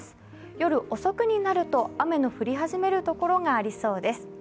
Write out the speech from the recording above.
夜遅くになると雨の降り始める所がありそうです。